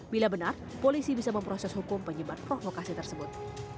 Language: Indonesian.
bila benar polisi bisa memproses hukum penyebar provokasi tersebut